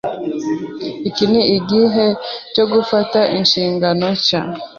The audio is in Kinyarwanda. Iki ni igihe cyo gufata inshingano nshya.